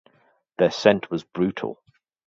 Their scent was brutal.